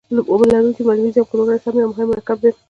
اوبه لرونکی مګنیزیم کلورایډ هم یو مهم مرکب دی.